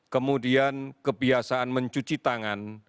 kemudian kebiasaan mencuci tangan